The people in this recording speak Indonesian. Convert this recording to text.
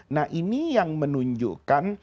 nah ini yang menunjukkan